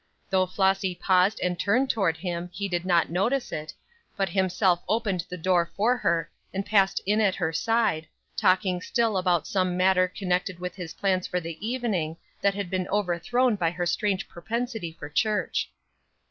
Though Flossy paused and turned toward him he did not notice it, but himself opened the door for her and passed in at her side, talking still about some matter connected with his plans for the evening, that had been overthrown by her strange propensity for church.